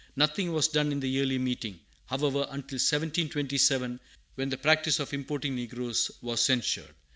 Nothing was done in the Yearly Meeting, however, until 1727, when the practice of importing negroes was censured.